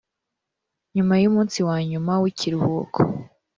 nyuma y umunsi wa nyuma w ikiruhuko